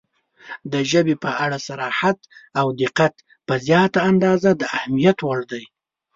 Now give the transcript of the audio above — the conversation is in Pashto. • د ژبې په اړه صراحت او دقت په زیاته اندازه د اهمیت وړ دی.